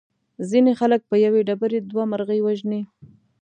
ځینې خلک په یوې ډبرې دوه مرغۍ وژني.